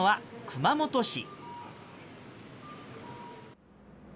熊本市。